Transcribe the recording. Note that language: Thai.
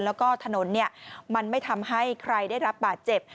แล้วก็ถนนมันไม่ทำให้ใครได้รับบาดเจ็บ